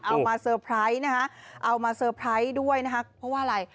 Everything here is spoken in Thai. เอามาเซอร์ไพรส์นะคะเอามาเซอร์ไพรส์ด้วยนะคะเพราะว่าอะไร